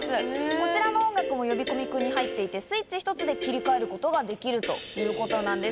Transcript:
こちらの音楽も呼び込み君に入っていて、スイッチ１つで切り替えができるということなんです。